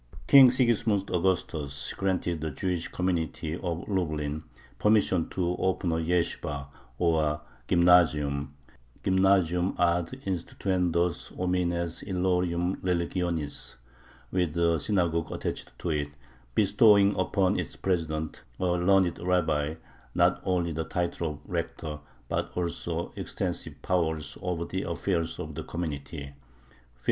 King Sigismund Augustus granted the Jewish community of Lublin permission to open a yeshibah, or "gymnazium" (gymnazium ad instituendos homines illorum religionis), with a synagogue attached to it, bestowing upon its president, a learned rabbi, not only the title of "rector," but also extensive powers over the affairs of the community (1567).